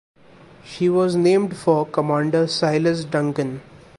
She was named for Commander Silas Duncan.